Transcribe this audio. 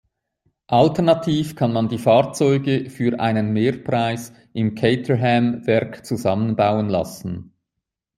Alternativ kann man die Fahrzeuge für einen Mehrpreis im Caterham-Werk zusammenbauen lassen.